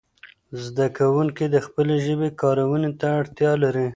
زده کوونکي د خپلې ژبې کارونې ته اړتیا لري.